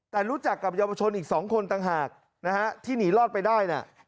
แต่รู้จักกับเยาวชนอีก๒คนต่างหากนะฮะที่หนีรอดไปได้เนี่ย